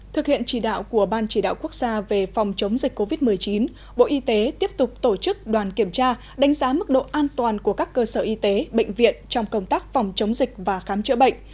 thực hiện chỉ đạo của ban chỉ đạo quốc gia về phòng chống dịch covid một mươi chín bộ y tế tiếp tục tổ chức đoàn kiểm tra đánh giá mức độ an toàn của các cơ sở y tế bệnh viện trong công tác phòng chống dịch và khám chữa bệnh